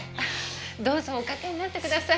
どうぞお掛けになってください。